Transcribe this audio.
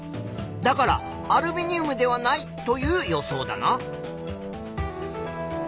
だからアルミニウムではないという予想だな。